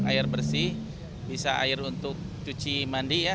air bersih bisa air untuk cuci mandi ya